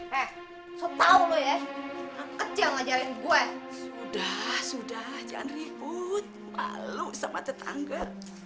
hai eh sopauloh ya ngejalan gue sudah sudah jangan ribut malu sama tetangga